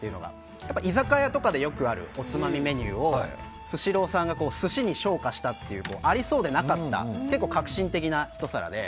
居酒屋とかでよくあるおつまみメニューをスシローさんが寿司に昇華したというありそうでなかった革新的なひと皿で。